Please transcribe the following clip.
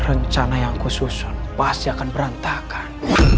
rencana yang khusus pasti akan berantakan